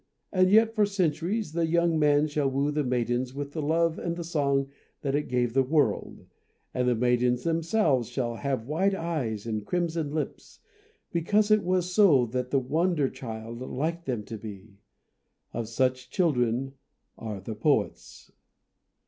And yet for centuries the young man shall woo the maidens with the love and the song that it gave the world, and the maidens themselves shall have wide eyes and crimson lips, because it was so that the HOW TO BE A POET 77 wonder child liked them to be. Of such children are the poets.